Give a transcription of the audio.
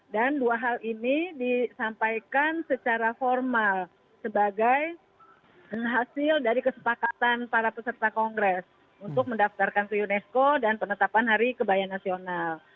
dan dua hal ini disampaikan secara formal sebagai hasil dari kesepakatan para peserta kongres untuk mendaftarkan ke unesco dan penetapan hari kebaya nasional